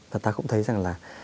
và ta cũng thấy rằng là